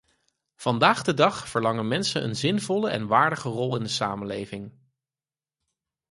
Vandaag de dag verlangen mensen een zinvolle en waardige rol in de samenleving.